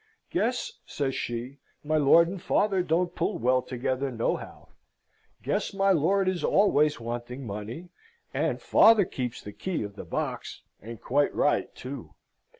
"Guess," says she, "my lord and father don't pull well together nohow. Guess my lord is always wanting money, and father keeps the key of the box and quite right, too.